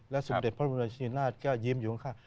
และสุขเด็จพระราชสำเนินราชก็ยิ้มอยู่ข้าง